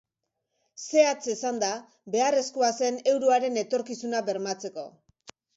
Zehatz esanda, beharrezkoa zen euroaren etorkizuna bermatzeko.